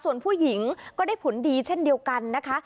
ส่วนผู้หญิงก็ได้ผลดีเช่นเดียวกันนะคะ